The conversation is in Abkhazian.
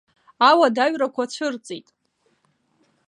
Ауадаҩрақәа цәырҵит.